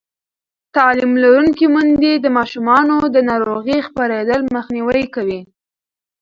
تعلیم لرونکې میندې د ماشومانو د ناروغۍ خپرېدل مخنیوی کوي.